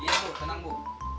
iya bu tenang bu